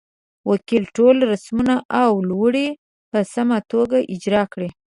وکیل ټول رسمونه او لوړې په سمه توګه اجرا کړې.